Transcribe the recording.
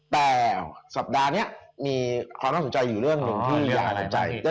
แต่สัปดาห์เนี้ยมีความรักสนใจอยู่เรื่องที่ยังไม่ไม่ใจ